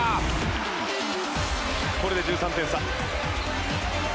これで１３点差！